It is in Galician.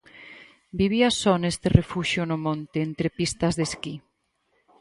Vivía só neste refuxio no monte entre pistas de esquí.